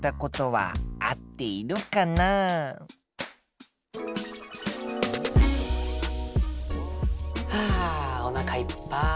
はあおなかいっぱい。